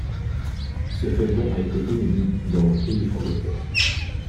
Ce feuilleton a été inédit dans les pays francophones.